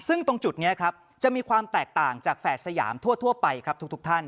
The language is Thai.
ซึ่งตรงจุดนี้ครับจะมีความแตกต่างจากแฝดสยามทั่วไปครับทุกท่าน